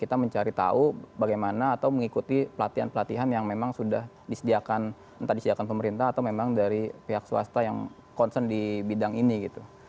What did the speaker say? kita mencari tahu bagaimana atau mengikuti pelatihan pelatihan yang memang sudah disediakan entah disediakan pemerintah atau memang dari pihak swasta yang concern di bidang ini gitu